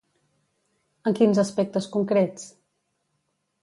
En quins aspectes concrets?